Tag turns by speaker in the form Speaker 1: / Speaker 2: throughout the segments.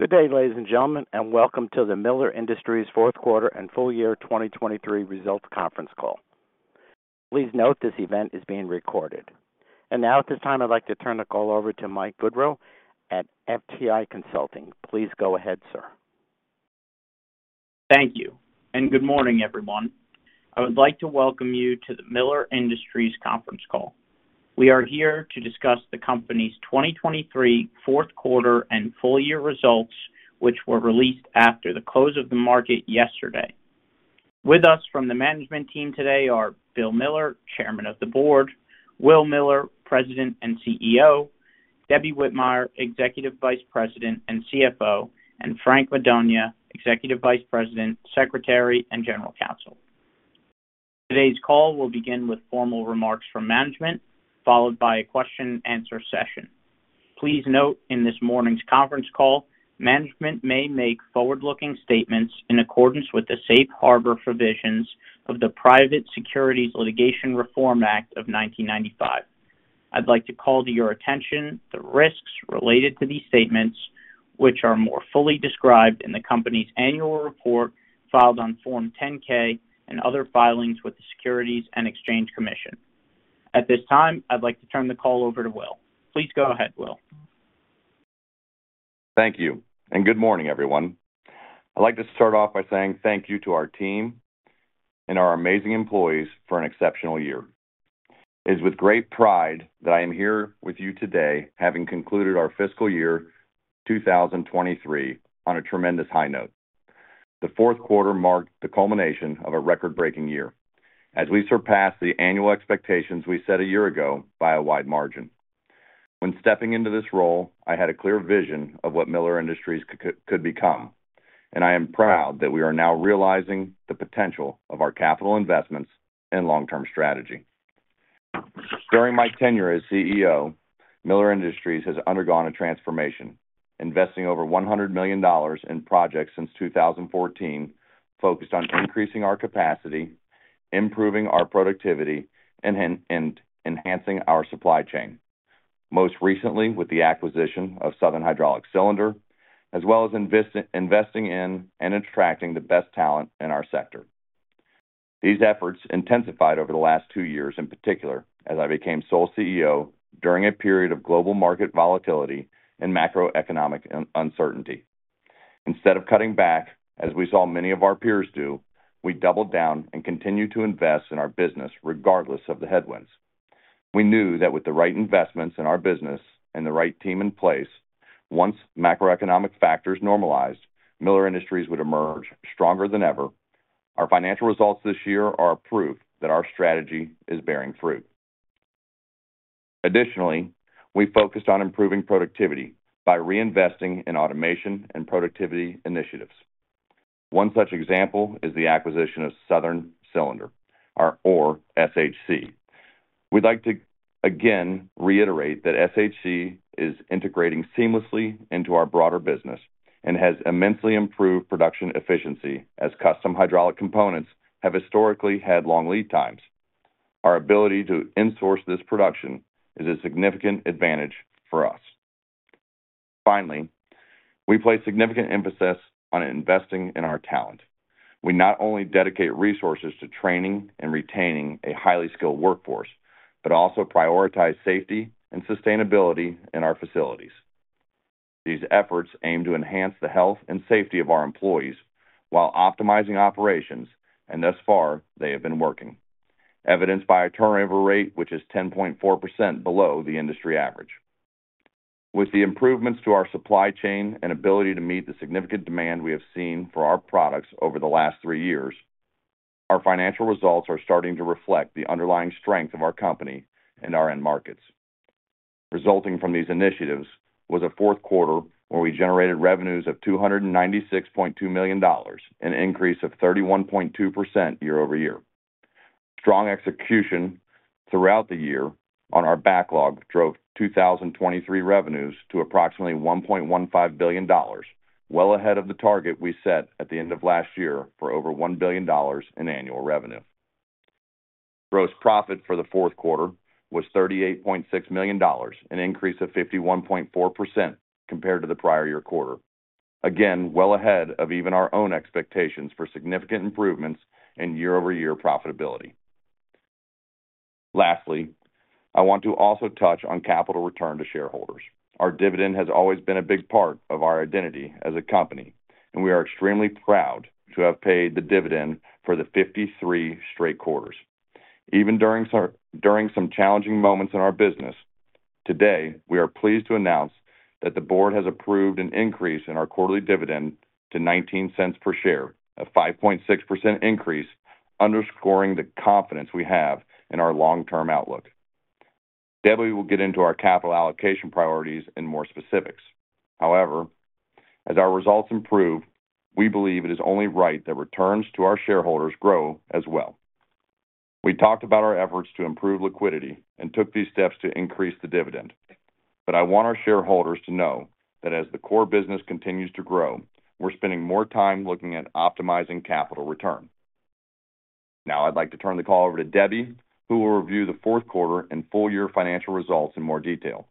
Speaker 1: Good day, ladies and gentlemen, and welcome to the Miller Industries fourth quarter and full year 2023 results conference call. Please note, this event is being recorded. Now at this time, I'd like to turn the call over to Mike Gaudreau at FTI Consulting. Please go ahead, sir.
Speaker 2: Thank you, and good morning, everyone. I would like to welcome you to the Miller Industries conference call. We are here to discuss the company's 2023 fourth quarter and full year results, which were released after the close of the market yesterday. With us from the management team today are Will Miller, Chairman of the Board, Will Miller, President and CEO, Debbie Whitmire, Executive Vice President and CFO, and Frank Madonia, Executive Vice President, Secretary, and General Counsel. Today's call will begin with formal remarks from management, followed by a question and answer session. Please note in this morning's conference call, management may make forward-looking statements in accordance with the Safe Harbor provisions of the Private Securities Litigation Reform Act of 1995. I'd like to call to your attention the risks related to these statements, which are more fully described in the company's annual report filed on Form 10-K and other filings with the Securities and Exchange Commission. At this time, I'd like to turn the call over to Will. Please go ahead, Will.
Speaker 3: Thank you, and good morning, everyone. I'd like to start off by saying thank you to our team and our amazing employees for an exceptional year. It is with great pride that I am here with you today, having concluded our fiscal year 2023 on a tremendous high note. The fourth quarter marked the culmination of a record-breaking year as we surpassed the annual expectations we set a year ago by a wide margin. When stepping into this role, I had a clear vision of what Miller Industries could become, and I am proud that we are now realizing the potential of our capital investments and long-term strategy. During my tenure as CEO, Miller Industries has undergone a transformation, investing over $100 million in projects since 2014, focused on increasing our capacity, improving our productivity, and enhancing our supply chain. Most recently, with the acquisition of Southern Hydraulic Cylinder, as well as investing in and attracting the best talent in our sector. These efforts intensified over the last two years, in particular, as I became sole CEO during a period of global market volatility and macroeconomic uncertainty. Instead of cutting back, as we saw many of our peers do, we doubled down and continued to invest in our business, regardless of the headwinds. We knew that with the right investments in our business and the right team in place, once macroeconomic factors normalized, Miller Industries would emerge stronger than ever. Our financial results this year are proof that our strategy is bearing fruit. Additionally, we focused on improving productivity by reinvesting in automation and productivity initiatives. One such example is the acquisition of Southern Hydraulic Cylinder, or SHC. We'd like to again reiterate that SHC is integrating seamlessly into our broader business and has immensely improved production efficiency, as custom hydraulic components have historically had long lead times. Our ability to insource this production is a significant advantage for us. Finally, we place significant emphasis on investing in our talent. We not only dedicate resources to training and retaining a highly skilled workforce, but also prioritize safety and sustainability in our facilities. These efforts aim to enhance the health and safety of our employees while optimizing operations, and thus far, they have been working, evidenced by a turnover rate which is 10.4% below the industry average. With the improvements to our supply chain and ability to meet the significant demand we have seen for our products over the last three years, our financial results are starting to reflect the underlying strength of our company and our end markets. Resulting from these initiatives was a fourth quarter where we generated revenues of $296.2 million, an increase of 31.2% year-over-year. Strong execution throughout the year on our backlog drove 2023 revenues to approximately $1.15 billion, well ahead of the target we set at the end of last year for over $1 billion in annual revenue. Gross profit for the fourth quarter was $38.6 million, an increase of 51.4% compared to the prior-year quarter. Again, well ahead of even our own expectations for significant improvements in year-over-year profitability. Lastly, I want to also touch on capital return to shareholders. Our dividend has always been a big part of our identity as a company, and we are extremely proud to have paid the dividend for the 53 straight quarters, even during some challenging moments in our business. Today, we are pleased to announce that the board has approved an increase in our quarterly dividend to $0.19 per share, a 5.6% increase, underscoring the confidence we have in our long-term outlook. Debbie will get into our capital allocation priorities in more specifics. However, as our results improve, we believe it is only right that returns to our shareholders grow as well. We talked about our efforts to improve liquidity and took these steps to increase the dividend, but I want our shareholders to know that as the core business continues to grow, we're spending more time looking at optimizing capital return.... Now I'd like to turn the call over to Debbie, who will review the fourth quarter and full year financial results in more detail.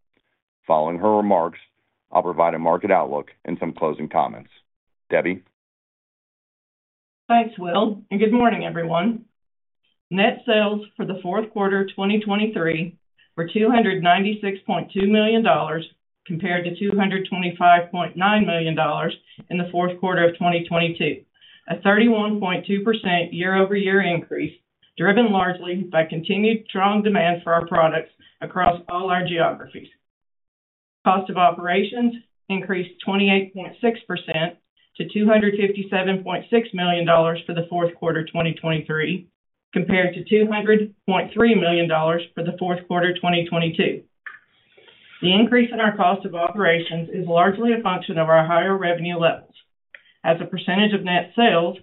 Speaker 3: Following her remarks, I'll provide a market outlook and some closing comments. Debbie?
Speaker 4: Thanks, Will, and good morning, everyone. Net sales for the fourth quarter, 2023 were $296.2 million, compared to $225.9 million in the fourth quarter of 2022. A 31.2% year-over-year increase, driven largely by continued strong demand for our products across all our geographies. Cost of operations increased 28.6% to $257.6 million for the fourth quarter, 2023, compared to $200.3 million for the fourth quarter, 2022. The increase in our cost of operations is largely a function of our higher revenue levels. As a percentage of net sales,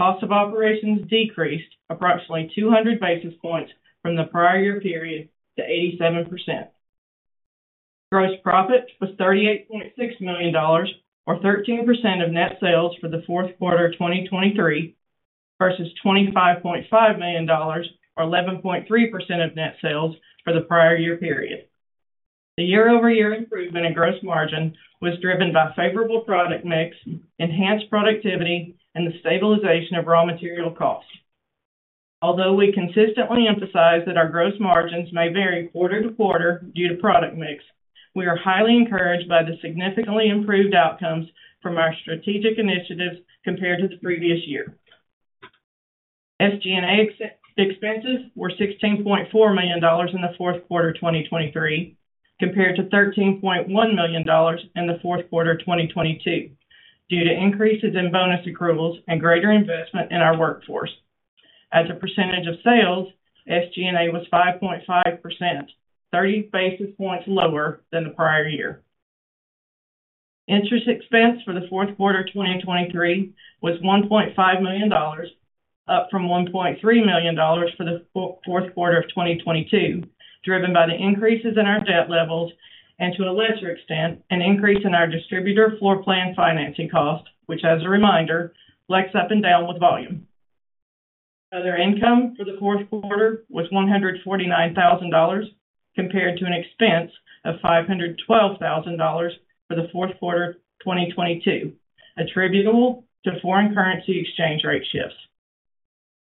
Speaker 4: cost of operations decreased approximately 200 basis points from the prior year period to 87%. Gross profit was $38.6 million, or 13% of net sales for the fourth quarter, 2023, versus $25.5 million, or 11.3% of net sales for the prior year period. The year-over-year improvement in gross margin was driven by favorable product mix, enhanced productivity, and the stabilization of raw material costs. Although we consistently emphasize that our gross margins may vary quarter to quarter due to product mix, we are highly encouraged by the significantly improved outcomes from our strategic initiatives compared to the previous year. SG&A expenses were $16.4 million in the fourth quarter, 2023, compared to $13.1 million in the fourth quarter of 2022, due to increases in bonus accruals and greater investment in our workforce. As a percentage of sales, SG&A was 5.5%, 30 basis points lower than the prior year. Interest expense for the fourth quarter, 2023, was $1.5 million, up from $1.3 million for the fourth quarter of 2022, driven by the increases in our debt levels, and to a lesser extent, an increase in our distributor floor plan financing cost, which, as a reminder, flex up and down with volume. Other income for the fourth quarter was $149,000, compared to an expense of $512,000 for the fourth quarter, 2022, attributable to foreign currency exchange rate shifts.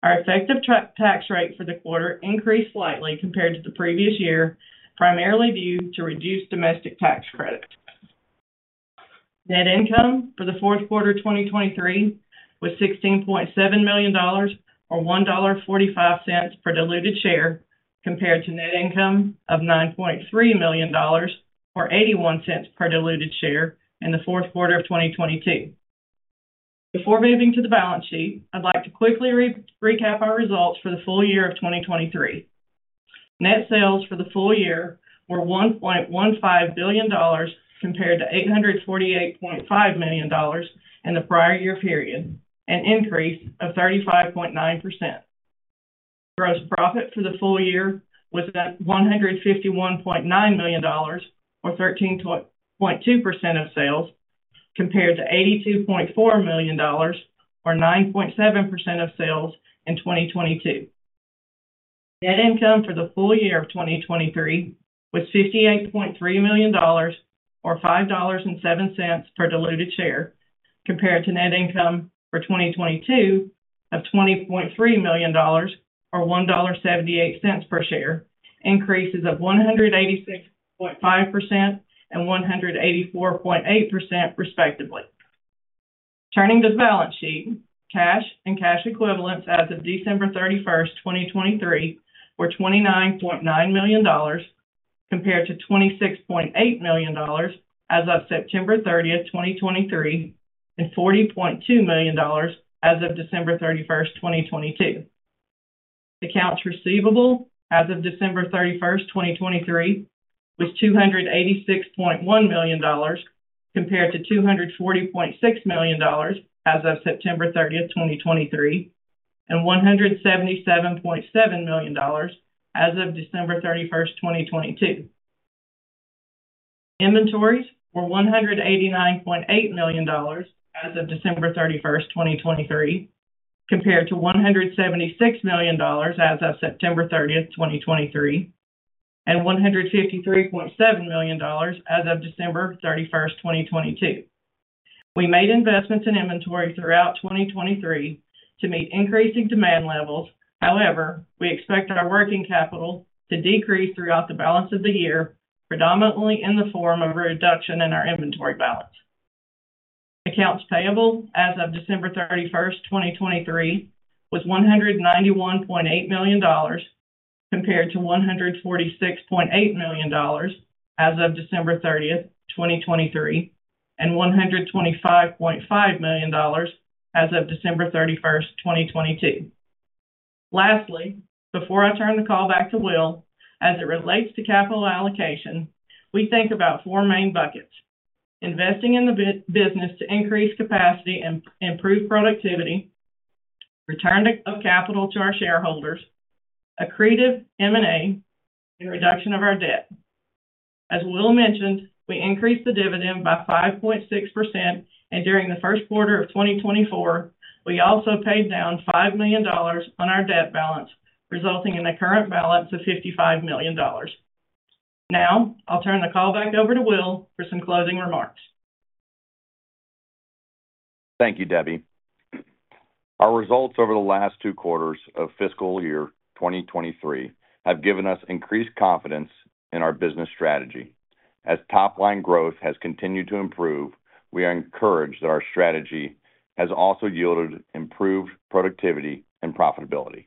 Speaker 4: Our effective tax rate for the quarter increased slightly compared to the previous year, primarily due to reduced domestic tax credits. Net income for the fourth quarter, 2023, was $16.7 million, or $1.45 per diluted share, compared to net income of $9.3 million, or $0.81 per diluted share in the fourth quarter of 2022. Before moving to the balance sheet, I'd like to quickly re-recap our results for the full year of 2023. Net sales for the full year were $1.15 billion, compared to $848.5 million in the prior year period, an increase of 35.9%. Gross profit for the full year was $151.9 million, or 13.2% of sales, compared to $82.4 million, or 9.7% of sales in 2022. Net income for the full year of 2023 was $58.3 million, or $5.07 per diluted share, compared to net income for 2022 of $20.3 million, or $1.78 per share, increases of 186.5% and 184.8% respectively. Turning to the balance sheet, cash and cash equivalents as of December 31, 2023, were $29.9 million, compared to $26.8 million as of September 30, 2023, and $40.2 million as of December 31, 2022. Accounts receivable as of December 31, 2023, was $286.1 million, compared to $240.6 million as of September 30, 2023, and $177.7 million as of December 31, 2022. Inventories were $189.8 million as of December 31, 2023, compared to $176 million as of September 30, 2023, and $153.7 million as of December 31, 2022. We made investments in inventory throughout 2023 to meet increasing demand levels. However, we expect our working capital to decrease throughout the balance of the year, predominantly in the form of a reduction in our inventory balance. Accounts payable as of December 31, 2023, was $191.8 million, compared to $146.8 million as of December 30, 2023, and $125.5 million as of December 31, 2022. Lastly, before I turn the call back to Will, as it relates to capital allocation, we think about four main buckets: investing in the business to increase capacity and improve productivity, return of capital to our shareholders, accretive M&A, and reduction of our debt. As Will mentioned, we increased the dividend by 5.6%, and during the first quarter of 2024, we also paid down $5 million on our debt balance, resulting in a current balance of $55 million. Now, I'll turn the call back over to Will for some closing remarks.
Speaker 3: Thank you, Debbie. Our results over the last two quarters of fiscal year 2023 have given us increased confidence in our business strategy. As top-line growth has continued to improve, we are encouraged that our strategy has also yielded improved productivity and profitability.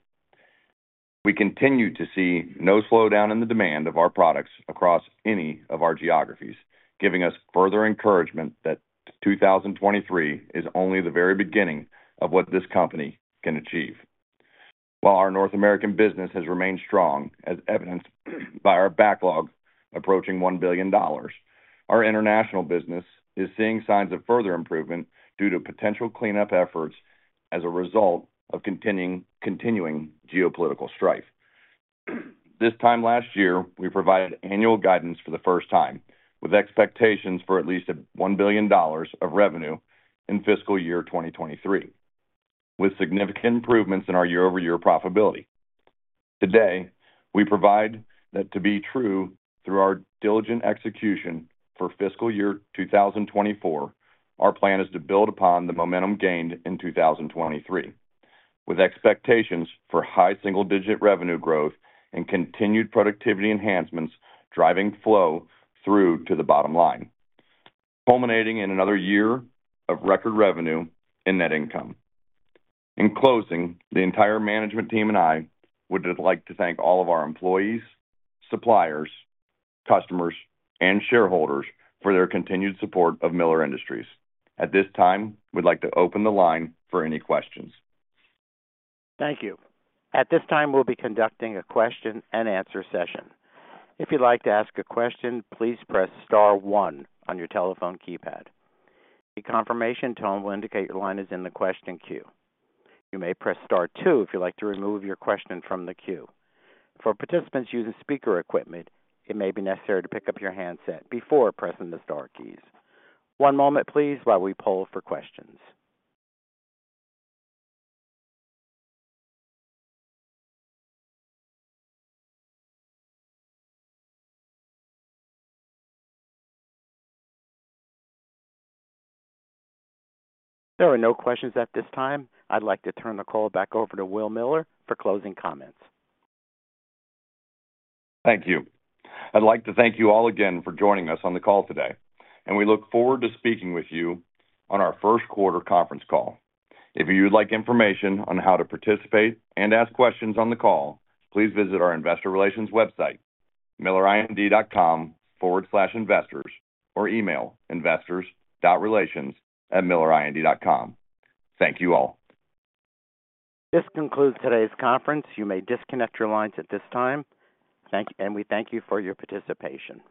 Speaker 3: We continue to see no slowdown in the demand of our products across any of our geographies, giving us further encouragement that 2023 is only the very beginning of what this company can achieve. While our North American business has remained strong, as evidenced by our backlog approaching $1 billion, our international business is seeing signs of further improvement due to potential cleanup efforts as a result of continuing geopolitical strife. This time last year, we provided annual guidance for the first time, with expectations for at least $1 billion of revenue in fiscal year 2023, with significant improvements in our year-over-year profitability. Today, we provide that to be true through our diligent execution for fiscal year 2024, our plan is to build upon the momentum gained in 2023, with expectations for high single-digit revenue growth and continued productivity enhancements driving flow through to the bottom line, culminating in another year of record revenue and net income. In closing, the entire management team and I would just like to thank all of our employees, suppliers, customers, and shareholders for their continued support of Miller Industries. At this time, we'd like to open the line for any questions.
Speaker 1: Thank you. At this time, we'll be conducting a question-and-answer session. If you'd like to ask a question, please press star one on your telephone keypad. A confirmation tone will indicate your line is in the question queue. You may press star two if you'd like to remove your question from the queue. For participants using speaker equipment, it may be necessary to pick up your handset before pressing the star keys. One moment, please, while we poll for questions. There are no questions at this time. I'd like to turn the call back over to Will Miller for closing comments.
Speaker 3: Thank you. I'd like to thank you all again for joining us on the call today, and we look forward to speaking with you on our first quarter conference call. If you would like information on how to participate and ask questions on the call, please visit our investor relations website, millerind.com/investors, or email investor.relations@millerind.com. Thank you all.
Speaker 1: This concludes today's conference. You may disconnect your lines at this time. We thank you for your participation.